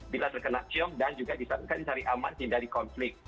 bila terkena ciong dan juga bisa mencari aman hindari konflik